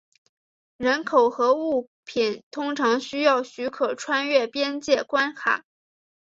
人口和物品通常需要许可穿越边界关卡。